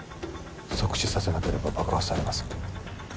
即死させなければ爆破されます